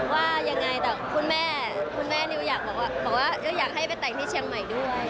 ว่ายังไงแต่คุณแม่คุณแม่นิวอยากบอกว่าอยากให้ไปแต่งที่เชียงใหม่ด้วย